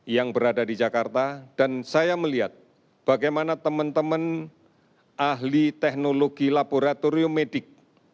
yang berada di jakarta dan saya melihat bagaimana teman teman ahli teknologi laboratorium medik